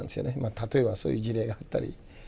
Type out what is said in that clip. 例えばそういう事例があったり。